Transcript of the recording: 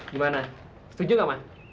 gimana setuju nggak ma